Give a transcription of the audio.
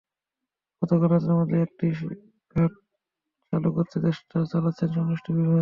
গতকাল রাতের মধ্যে একটি ঘাট চালু করতে চেষ্টা চালাচ্ছে সংশ্লিষ্ট বিভাগ।